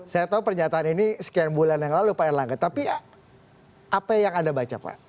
saya tahu pernyataan ini sekian bulan yang lalu pak erlangga tapi apa yang anda baca pak